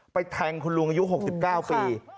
แทงคุณลุงอายุ๖๙ปี